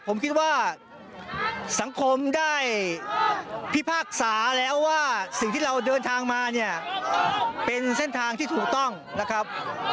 ผมคิดว่าสังคมได้พิพากษาแล้วว่าสิ่งที่เราเดินทางมาเนี่ยเป็นเส้นทางที่ถูกต้องนะครับ